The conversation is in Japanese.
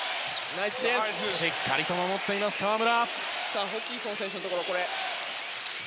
しっかり守っています河村。